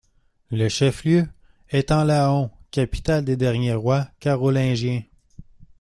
Le chef-lieu en est Laon, capitale des derniers rois Carolingiens.